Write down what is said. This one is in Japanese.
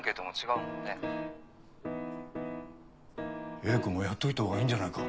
英子もやっておいたほうがいいんじゃないか？